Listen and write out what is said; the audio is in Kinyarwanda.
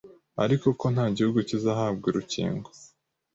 ariko ko nta gihugu kizahabwa urukingo